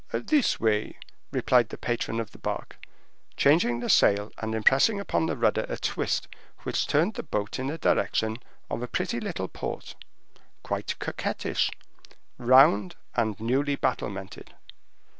"This way," replied the patron of the bark, changing the sail, and impressing upon the rudder a twist which turned the boat in the direction of a pretty little port, quite coquettish, round, and newly battlemented.